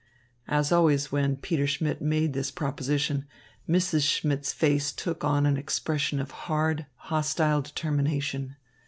As always when Peter Schmidt made this proposition, Mrs. Schmidt's face took on an expression of hard, hostile determination.